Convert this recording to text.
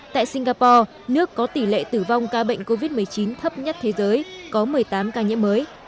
tại singapore nước có tỷ lệ tử vong ca bệnh covid một mươi chín thấp nhất thế giới có một mươi tám ca nhiễm mới